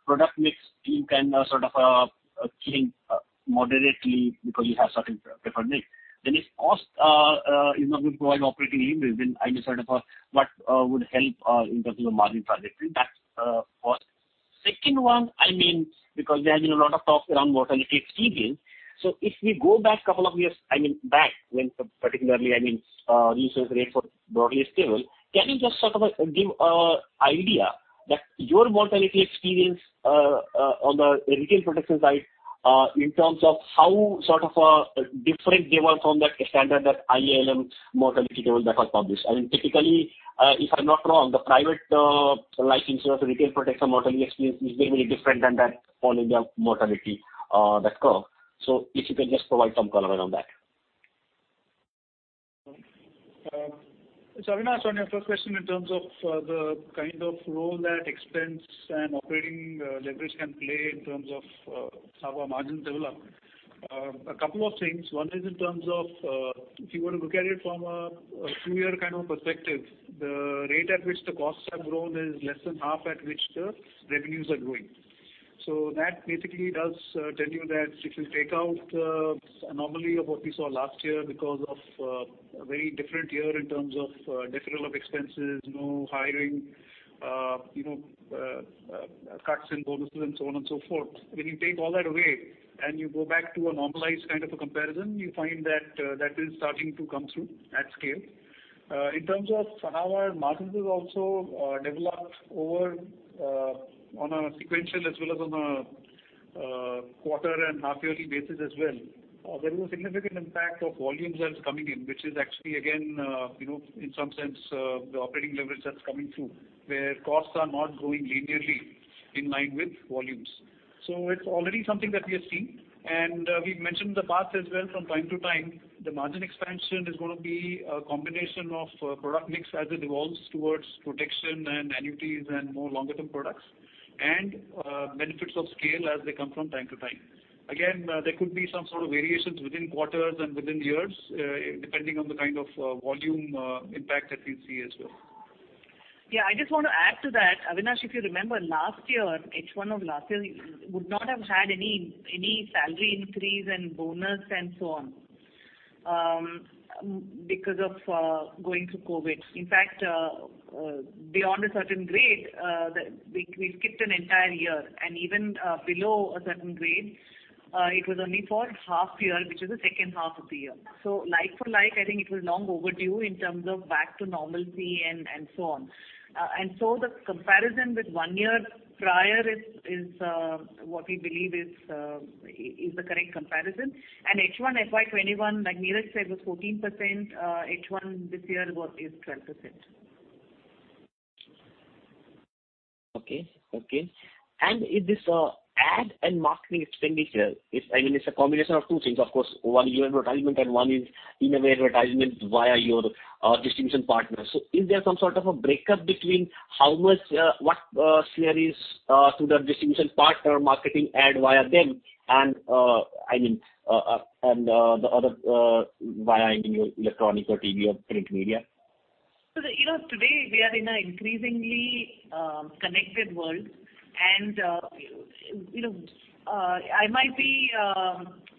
product mix you can sort of think moderately because you have certain preferred mix. If cost is not going to provide operating leverage, then I need sort of what would help in terms of your margin trajectory. That's for second one, because there has been a lot of talk around mortality experience. If we go back couple of years back when particularly interest rates were broadly stable, can you just sort of give an idea that your mortality experience on the retail protection side in terms of how sort of different they were from that standard that IALM mortality table that was published? Typically, if I'm not wrong, the private life insurance retail protection mortality experience is very different than that whole India mortality, that curve. If you can just provide some color around that. Avinash, on your first question in terms of the kind of role that expense and operating leverage can play in terms of our margin development. A couple of things. One is in terms of, if you were to look at it from a two-year kind of perspective, the rate at which the costs have grown is less than half at which the revenues are growing. That basically does tell you that if you take out anomaly of what we saw last year because of a very different year in terms of deferral of expenses, no hiring, cuts in bonuses and so on and so forth. When you take all that away and you go back to a normalized kind of a comparison, you find that that is starting to come through at scale. In terms of how our margins have also developed over on a sequential as well as on a quarter and half-yearly basis as well. There is a significant impact of volumes that's coming in, which is actually again, in some sense, the operating leverage that's coming through where costs are not growing linearly in line with volumes. It's already something that we are seeing, and we've mentioned in the past as well from time to time, the margin expansion is going to be a combination of product mix as it evolves towards protection and annuities and more longer-term products, and benefits of scale as they come from time to time. There could be some sort of variations within quarters and within years, depending on the kind of volume impact that we see as well. Yeah, I just want to add to that. Avinash, if you remember last year, H1 of last year would not have had any salary increase and bonus and so on because of going through COVID. In fact, beyond a certain grade, we skipped an entire year. Even below a certain grade, it was only for half year, which is the second half of the year. Like for like, I think it was long overdue in terms of back to normalcy and so on. The comparison with one year prior is what we believe is the correct comparison. H1 FY 2021, like Niraj said, was 14%, H1 this year is 12%. Okay. This ad and marketing expenditure, it's a combination of two things, of course. One, your advertisement and one is in a way advertisement via your distribution partners. Is there some sort of a breakup between what share is through the distribution partner or marketing ad via them and the other via your electronic or TV or print media? Today we are in a increasingly connected world. I might be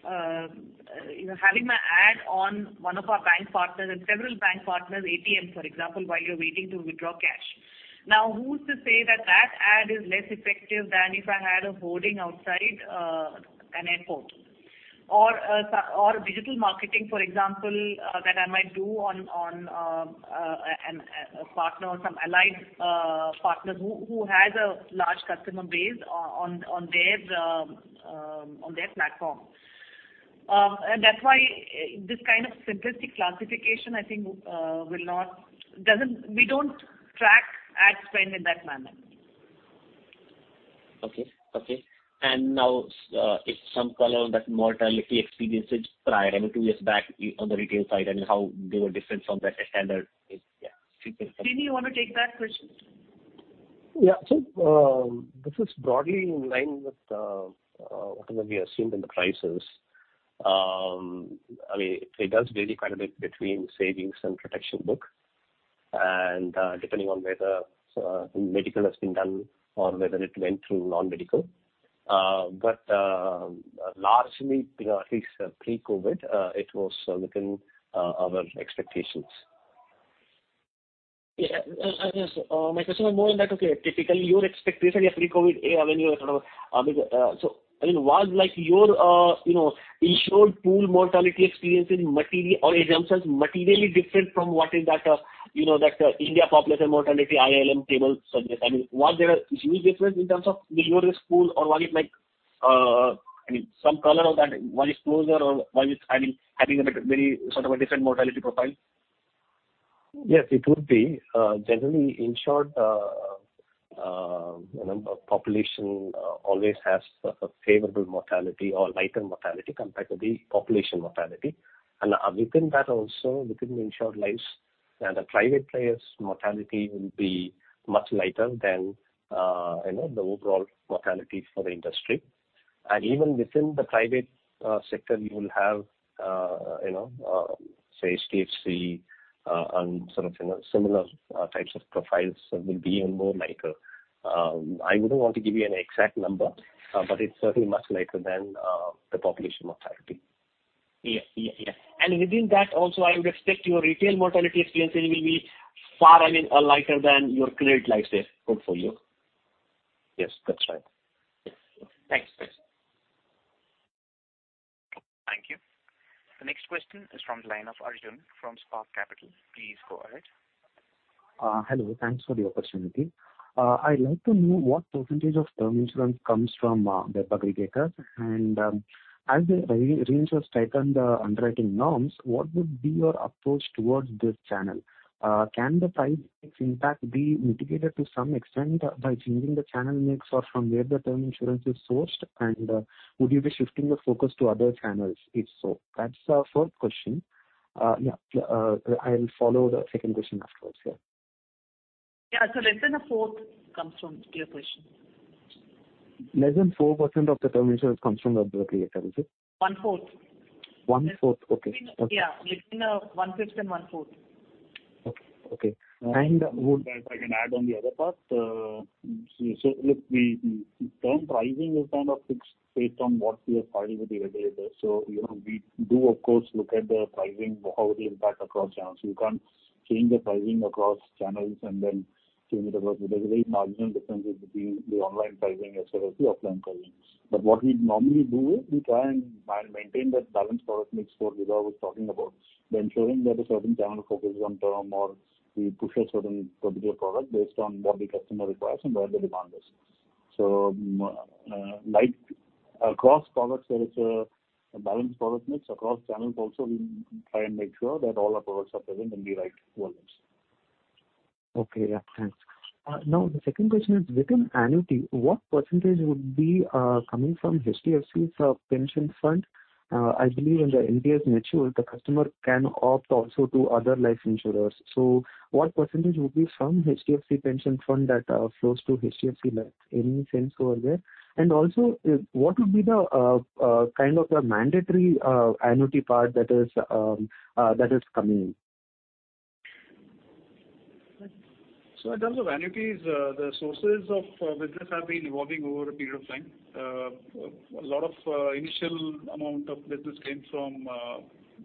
having my ad on one of our bank partners and several bank partners' ATMs, for example, while you're waiting to withdraw cash. Who's to say that ad is less effective than if I had a hoarding outside an airport? Digital marketing, for example, that I might do on a partner or some allied partners who has a large customer base on their platform. That's why this kind of simplistic classification, I think, we don't track ad spend in that manner. Okay. Now if some color on that mortality experiences prior, 2 years back on the retail side and how they were different from that standard is, yeah? Srinivasan Parthasarathy, you want to take that question? Yeah. This is broadly in line with whatever we assumed in the prices. It does vary quite a bit between savings and protection book, and depending on whether medical has been done or whether it went through non-medical. Largely, at least pre-COVID, it was within our expectations. Yeah. My question was more on that. Okay. Typically, your expectation pre-COVID, was like your insured pool mortality experience or assumptions materially different from what is that India population mortality, IALM table suggest? Was there a huge difference in terms of your risk pool, or was it like some color of that? Was it closer or was it having a very sort of a different mortality profile? Yes, it would be. Generally insured. Population always has a favorable mortality or lighter mortality compared to the population mortality. Within that also, within insured lives, the private players' mortality will be much lighter than the overall mortality for the industry. Even within the private sector, you will have, say, HDFC and similar types of profiles will be even more lighter. I wouldn't want to give you an exact number, but it's certainly much lighter than the population mortality. Yeah. Within that also, I would expect your retail mortality experience will be far lighter than your credit life sales portfolio. Yes, that's right. Thanks. Thank you. The next question is from the line of Arjun from Spark Capital. Please go ahead. Hello. Thanks for the opportunity. I'd like to know what % of term insurance comes from web aggregators. As the IRDAI tightened the underwriting norms, what would be your approach towards this channel? Can the price mix impact be mitigated to some extent by changing the channel mix or from where the term insurance is sourced? Would you be shifting your focus to other channels, if so? That's the first question. Yeah. I'll follow the second question afterwards here. Yeah. Less than a fourth comes from the aggregation. Less than 4% of the term insurance comes from the aggregator, is it? One-fourth. One-fourth. Okay. Got you. Yeah. Between one-fifth and one-fourth. Okay. If I can add on the other part. The term pricing is fixed based on what we have filed with the regulator. We do, of course, look at the pricing, how it will impact across channels. We can't change the pricing across channels and then change it across because there's a very marginal difference between the online pricing as well as the offline pricing. What we'd normally do is we try and maintain that balanced product mix what Mr. Niraj was talking about by ensuring that a certain channel focuses on term or we push a certain particular product based on what the customer requires and where the demand is. Across products, there is a balanced product mix. Across channels also, we try and make sure that all our products are present in the right volumes. Okay. Yeah. Thanks. The second question is within annuity, what percentage would be coming from HDFC's pension fund? I believe when the NPS matures, the customer can opt also to other life insurers. What percentage would be from HDFC pension fund that flows to HDFC Life, any sense over there? Also, what would be the mandatory annuity part that is coming in? In terms of annuities, the sources of business have been evolving over a period of time. A lot of initial amount of business came from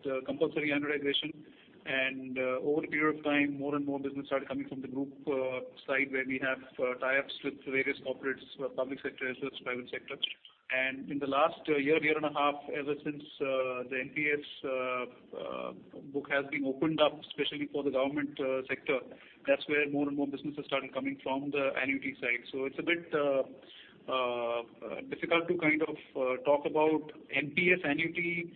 the compulsory annuitization. Over a period of time, more and more business started coming from the group side where we have tie-ups with various corporates, public sector as well as private sector. In the last year and a half, ever since the NPS book has been opened up, especially for the government sector, that's where more and more businesses started coming from the annuity side. It's a bit difficult to talk about NPS annuity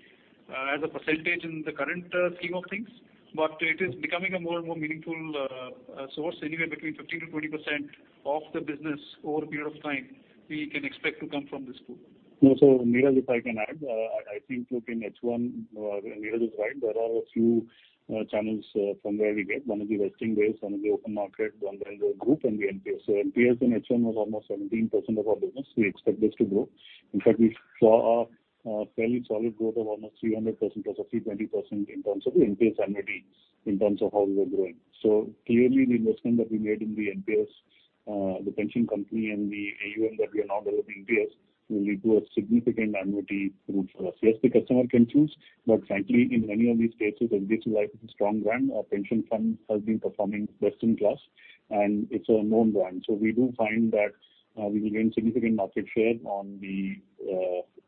as a % in the current scheme of things, but it is becoming a more and more meaningful source. Anywhere between 15%-20% of the business over a period of time we can expect to come from this pool. Niraj, if I can add. I think, in H1, Niraj is right. There are a few channels from where we get. One is the vesting base, one is the open market, one is the group and the NPS. NPS in H1 was almost 17% of our business. We expect this to grow. In fact, we saw a fairly solid growth of almost 300% plus or 320% in terms of the NPS annuity in terms of how we were growing. Clearly, the investment that we made in the NPS, the pension company and the AUM that we are now developing NPS will lead to a significant annuity pool for us. Yes, the customer can choose, but frankly, in many of these cases, HDFC Life is a strong brand. Our pension fund has been performing best-in-class, and it's a known brand. We do find that we will gain significant market share on the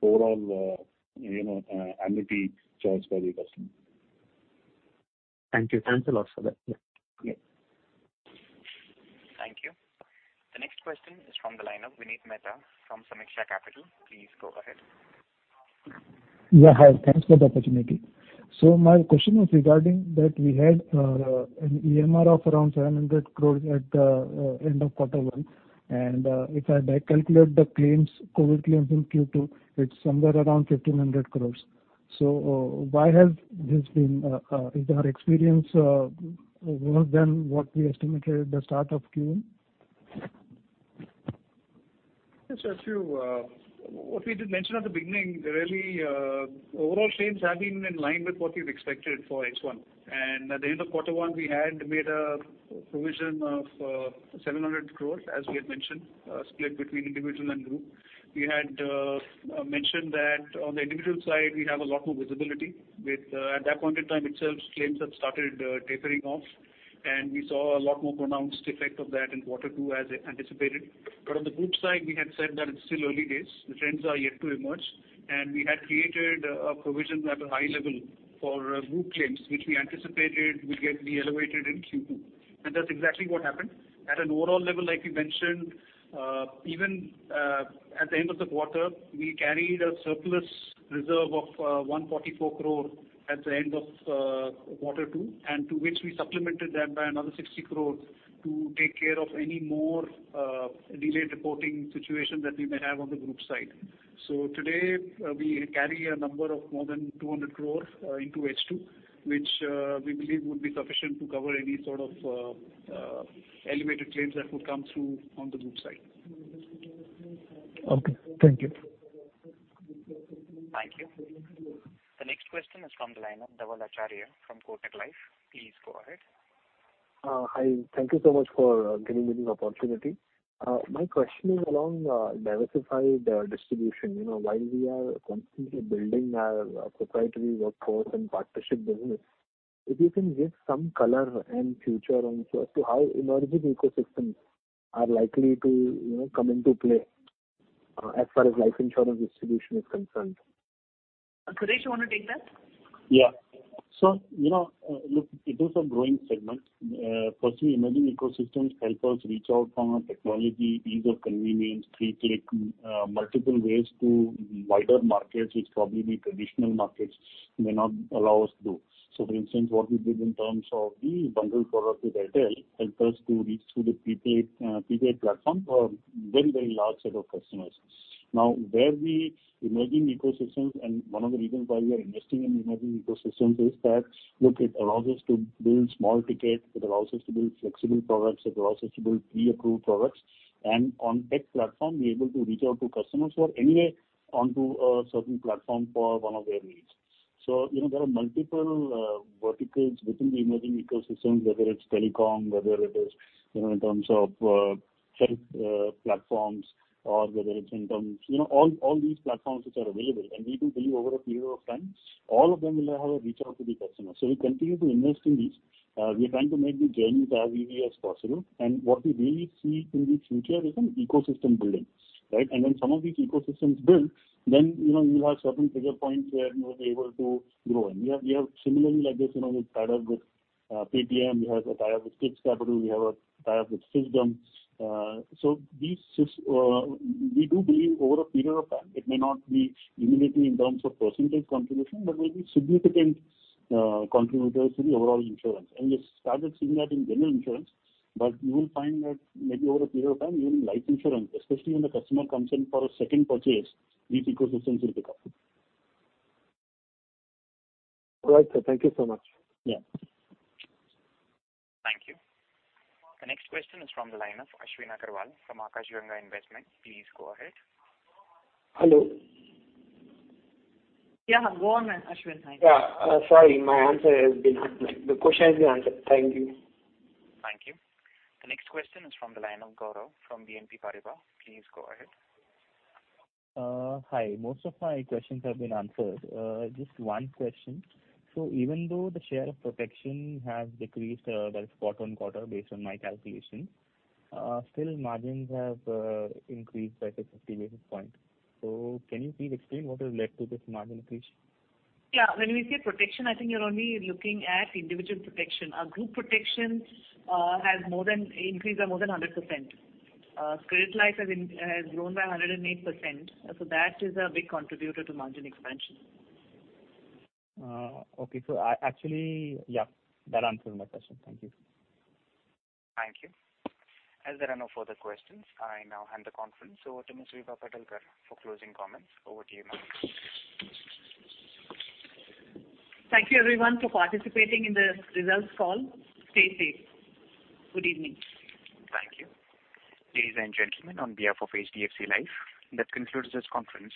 overall annuity choice by the customer. Thank you. Thanks a lot for that. Yeah. Thank you. The next question is from the line of Vineet Mehta from Sameeksha Capital. Please go ahead. Yeah. Hi. Thanks for the opportunity. My question was regarding that we had an EMR of around 700 crores at the end of quarter 1. If I back calculate the claims, COVID claims in Q2, it's somewhere around 1,500 crores. Is our experience worse than what we estimated at the start of Q1? Yes. What we did mention at the beginning, really, overall claims have been in line with what we've expected for H1. At the end of quarter one, we had made a provision of 700 crores, as we had mentioned, split between individual and group. We had mentioned that on the individual side, we have a lot more visibility with, at that point in time itself, claims had started tapering off, and we saw a lot more pronounced effect of that in quarter two as anticipated. On the group side, we had said that it's still early days. The trends are yet to emerge. We had created a provision at a high level for group claims, which we anticipated would get re-elevated in Q2. That's exactly what happened. At an overall level, like we mentioned, even at the end of the quarter, we carried a surplus reserve of 144 crore at the end of Q2, and to which we supplemented that by another 60 crore to take care of any more delayed reporting situation that we may have on the group side. Today, we carry a number of more than 200 crore into H2, which we believe would be sufficient to cover any sort of elevated claims that would come through on the group side. Okay. Thank you. Thank you. The next question is from the line of Dhaval Acharya from Kotak Life. Please go ahead. Hi. Thank you so much for giving me this opportunity. My question is along diversified distribution. While we are constantly building our proprietary workforce and partnership business, if you can give some color and future insights to how emerging ecosystems are likely to come into play as far as life insurance distribution is concerned. Suresh, you want to take that? Yeah. Look, it is a growing segment. Firstly, emerging ecosystems help us reach out from a technology, ease of convenience, prepaid, multiple ways to wider markets, which probably traditional markets may not allow us to. For instance, what we did in terms of the bundle product with Airtel helped us to reach through the prepaid platform for a very large set of customers. Now, where the emerging ecosystems, and one of the reasons why we are investing in emerging ecosystems is that, look, it allows us to build small ticket, it allows us to build flexible products, it allows us to build pre-approved products. On tech platform, we're able to reach out to customers who are anyway onto a certain platform for one of their needs. There are multiple verticals within the emerging ecosystems, whether it's telecom, whether it is in terms of health platforms or whether it's All these platforms which are available, and we do believe over a period of time, all of them will have a reach out to the customer. We continue to invest in these. We are trying to make the journeys as easy as possible. What we really see in the future is an ecosystem building, right. When some of these ecosystems build, then you'll have certain trigger points where you'll be able to grow. We have similarly like this, we've tied up with Paytm, we have a tie-up with [Stitz] Capital, we have a tie-up with Fisdom. We do believe over a period of time, it may not be immediately in terms of percentage contribution, but may be significant contributors to the overall insurance. We have started seeing that in general insurance. You will find that maybe over a period of time, even life insurance, especially when the customer comes in for a second purchase, these ecosystems will pick up. All right, sir. Thank you so much. Yeah. Thank you. The next question is from the line of Ashwin Agarwal from Akash Ganga Investments. Please go ahead. Hello. Yeah, go on, Ashwin. Hi. Yeah. Sorry, my answer has been answered. The question has been answered. Thank you. Thank you. The next question is from the line of Gaurav from BNP Paribas. Please go ahead. Hi. Most of my questions have been answered. Just one question. Even though the share of protection has decreased by spot on quarter based on my calculation, still margins have increased by say, 50 basis points. Can you please explain what has led to this margin increase? Yeah. When we say protection, I think you're only looking at individual protection. Our group protection has increased by more 100%. Credit Protect has grown by 108%, so that is a big contributor to margin expansion. Okay. Actually, yeah, that answered my question. Thank you. Thank you. As there are no further questions, I now hand the conference over to Ms. Vibha Padalkar for closing comments. Over to you, ma'am. Thank you, everyone, for participating in the results call. Stay safe. Good evening. Thank you. Ladies and gentlemen, on behalf of HDFC Life, that concludes this conference.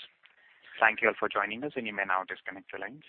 Thank you all for joining us and you may now disconnect your lines.